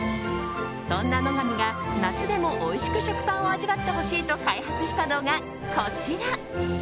そんな乃が美が夏でもおいしく食パンを味わってほしいと開発したのがこちら。